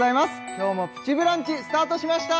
今日も「プチブランチ」スタートしました